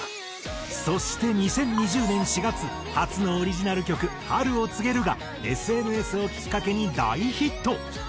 そして２０２０年４月初のオリジナル曲『春を告げる』がＳＮＳをきっかけに大ヒット。